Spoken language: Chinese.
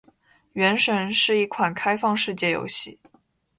《原神》是一款开放世界游戏。